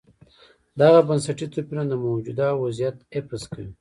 دغه بنسټي توپیرونه د موجوده وضعیت حفظ کوي.